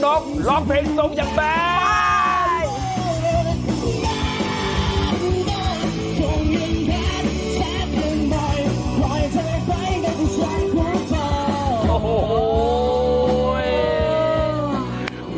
ร้องเพลงสงสัยแบบ